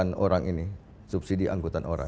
bukan orang ini subsidi angkutan orang